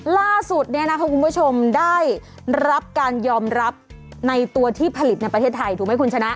ล่าสุดคุณผู้ชมได้รับการยอมรับในตัวที่ผลิตในประเทศไทยถูกไหมคุณชนะ